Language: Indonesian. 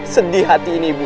sedih hati ini ibu